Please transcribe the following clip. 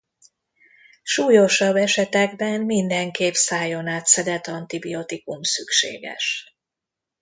Súlyosabb esetekben mindenképp szájon át szedett antibiotikum szükséges.